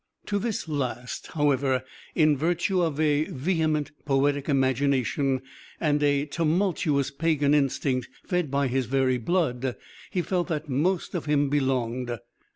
To this last, however, in virtue of a vehement poetic imagination, and a tumultuous pagan instinct fed by his very blood, he felt that most of him belonged.